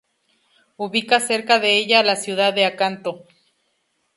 Ubica cerca de ella a la ciudad de Acanto.